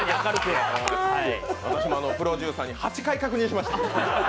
私もプロデューサーに８回確認しました。